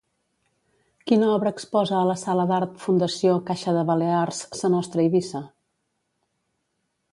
Quina obra exposa a la Sala d'Art Fundació Caixa de Balears- Sa Nostra Eivissa?